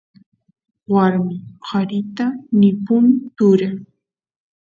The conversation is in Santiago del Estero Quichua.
warmi qarita nipun tura